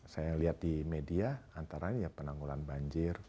saya lihat di media antara ya penanggulan banjir